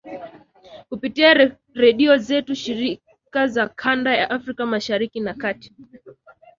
kupitia redio zetu shirika za kanda ya Afrika Mashariki na Kati